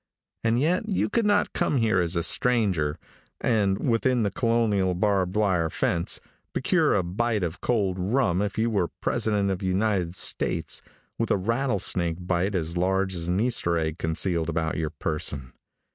And yet you could not come here as a stranger, and within the colonial barbed wire fence, procure a bite of cold rum if you were President of the United States, with a rattlesnake bite as large as an Easter egg concealed about your person.